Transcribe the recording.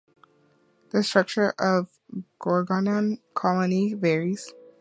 The structure of a gorgonian colony varies.